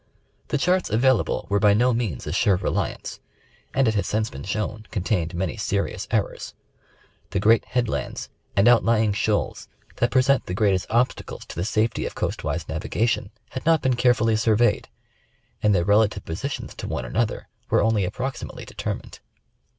The charts available were by no means a sure reliance, and it has since been shown, con tained many sei'ious errors. The great headlands and outlying shoals that present the greatest obstacles to the safety of coast wise navigation, had not been carefully surveyed, and their rela tive positions to one another were only approximately determined.